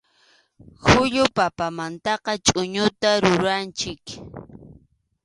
Khullu papamantaqa chʼuñuta ruranchik.